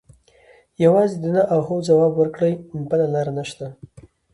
یوازې د نه او هو ځواب ورکړي بله لاره نشته.